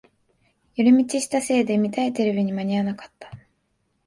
寄り道したせいで見たいテレビに間に合わなかった